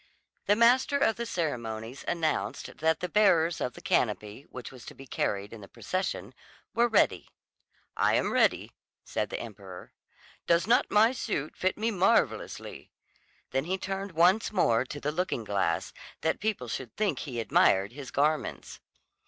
The master of the ceremonies announced that the bearers of the canopy, which was to be carried in the procession, were ready. "I am ready," said the emperor. "Does not my suit fit me marvellously?" Then he turned once more to the looking glass, that people should think he admired his garments.